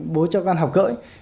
bố cho con học cỡ ấy